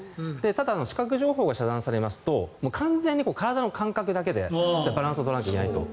ただ、視覚情報を遮断されますと完全に体の感覚だけでバランスを取らないといけない